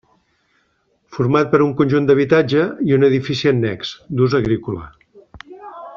Format per un conjunt d'habitatge i un edifici annex d'ús agrícola.